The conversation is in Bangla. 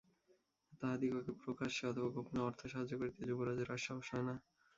তাহাদিগকে প্রকাশ্যে অথবা গোপনে অর্থ সাহায্য করিতে যুবরাজের আর সাহস হয় না।